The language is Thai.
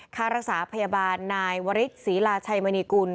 ค่ารักษาพยาบาลนายวริสศรีลาชัยมณีกุล